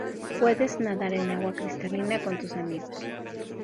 Puedes nadar en agua cristalina con tus amigos.